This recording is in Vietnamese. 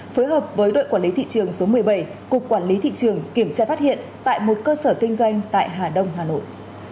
phối hợp với đội quản lý thị trường số một mươi bảy cục quản lý thị trường kiểm tra phát hiện tại một cơ sở kinh doanh tại hà đông hà nội